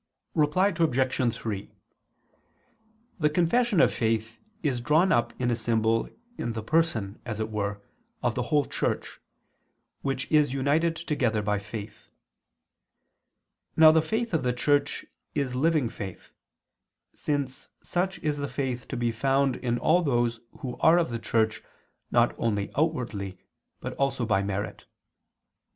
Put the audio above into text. Reply Obj. 3: The confession of faith is drawn up in a symbol in the person, as it were, of the whole Church, which is united together by faith. Now the faith of the Church is living faith; since such is the faith to be found in all those who are of the Church not only outwardly but also by merit.